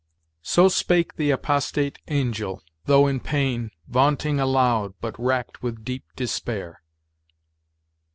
"So spake the apostate Angel, though in pain, Vaunting aloud, but racked with deep despair."